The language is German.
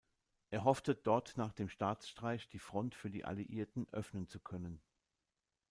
Er hoffte, dort nach dem Staatsstreich die Front für die Alliierten öffnen zu können.